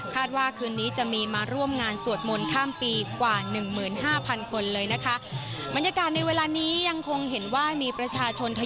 คาดว่าคืนนี้จะมีมาร่วมงานสวดมนต์ข้ามปีกว่า๑หมื่น๕พันคนเลยนะคะ